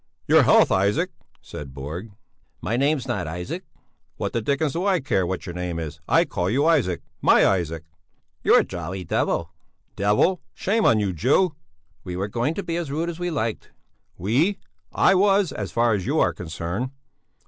"Your health, Isaac!" said Borg. "My name's not Isaac!" "What the dickens do I care what your name is? I call you Isaac, my Isaac." "You're a jolly devil...." "Devil! Shame on you, Jew!" "We were going to be as rude as we liked...." "We? I was, as far as you are concerned!"